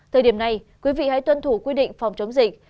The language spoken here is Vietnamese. thời điểm này quý vị hãy tuân thủ quy định phòng chống dịch